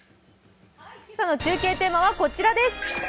今朝のテーマはこちらです。